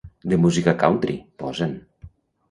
De música country, posa'n.